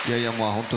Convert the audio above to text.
本当